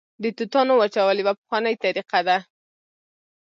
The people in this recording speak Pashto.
د توتانو وچول یوه پخوانۍ طریقه ده